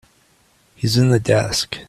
He's in the desk.